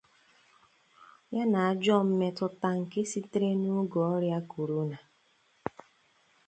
ya na ajọ mmetụta nke sitere n'oge ọrịa korona